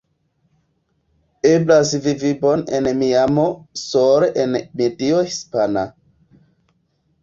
Eblas vivi bone en Miamo sole en medio hispana.